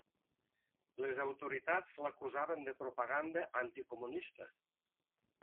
Les autoritats l'acusaven de propaganda anticomunista.